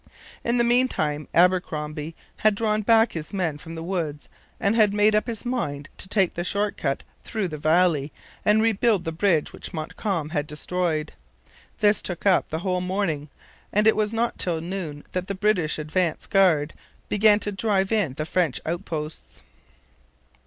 In the meantime Abercromby had drawn back his men from the woods and had made up his mind to take the short cut through the valley and rebuild the bridge which Montcalm had destroyed. This took up the whole morning; and it was not till noon that the British advance guard began to drive in the French outposts.